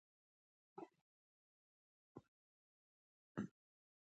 د افغان کرکټ ټیم پر خپلو ټکتیکونو باور لري.